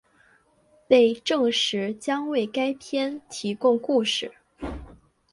被证实将为该片提供故事。